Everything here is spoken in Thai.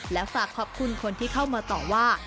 แล้วฝากขอบคุณคนที่เข้ามาต่อว่า